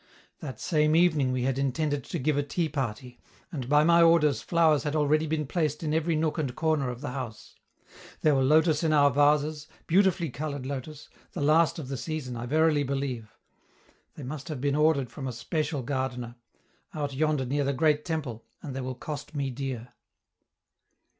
That same evening we had intended to give a tea party, and by my orders flowers had already been placed in every nook and corner of the house. There were lotus in our vases, beautifully colored lotus, the last of the season, I verily believe. They must have been ordered from a special gardener, out yonder near the Great Temple, and they will cost me dear.